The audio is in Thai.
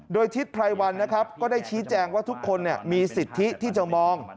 โดยทิศไพรวันนะครับก็ได้ชี้แจงว่าทุกคนมีสิทธิที่จะมอง